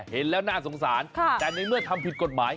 เห็นแล้วน่าสงสารแต่ในเมื่อทำผิดกฎหมาย